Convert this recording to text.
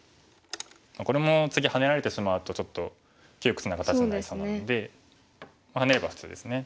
これも次ハネられてしまうとちょっと窮屈な形になりそうなのでハネれば普通ですね。